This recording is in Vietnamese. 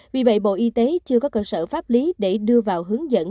vì vậy bộ y tế chưa có cơ sở pháp lý để đưa vào hướng dẫn